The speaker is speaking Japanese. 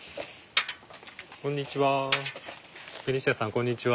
こんにちは。